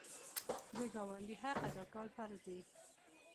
د ګاونډي حق ادا کول فرض دي.